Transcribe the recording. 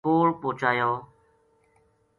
کول پوہچایو